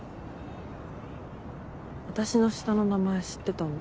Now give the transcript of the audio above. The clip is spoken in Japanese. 私の下の名前知ってたんだ。